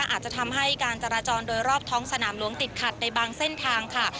อาจจะทำให้การจราจรโดยรอบท้องสนามหลวงติดขัดในบางเส้นทางค่ะ